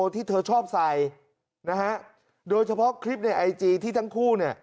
ที่เธอชอบใส่นะฮะโดยเฉพาะคลิปในไอจีที่ทั้งคู่เนี่ย